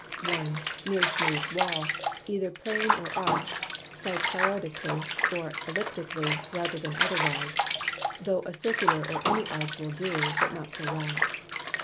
1. Near a Smooth Wall, either Plain or Arch'd (Cycloidically or Elliptically, rather than otherwise, tho' a Circular or any Arch will do, but not so well.)